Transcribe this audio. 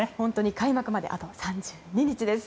開幕まであと３２日です。